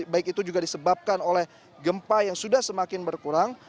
baik itu juga disebabkan oleh gempa yang sudah semakin berkurang